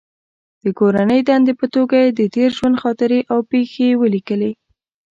د کورنۍ دندې په توګه یې د تېر ژوند خاطرې او پېښې ولیکلې.